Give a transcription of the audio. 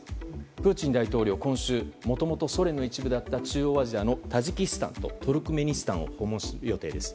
プーチン大統領は今週、もともとソ連の一部であった中央アジアのタジキスタンとトルクメニスタンを訪問する予定です。